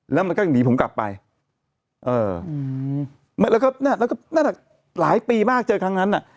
แล้วมันก็หนีผมกลับไปเออไม่แล้วก็น่าจะหลายปีมากเจอครั้งนั้นอ่ะ